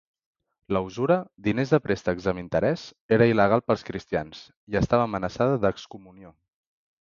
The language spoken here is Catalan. La usura, diners de préstecs amb interès, era il·legal pels cristians i estava amenaçada d'excomunió.